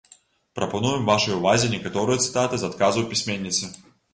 Прапануем вашай увазе некаторыя цытаты з адказаў пісьменніцы.